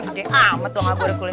eh bukan deh amat dong aku hercules